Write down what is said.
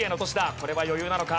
これは余裕なのか？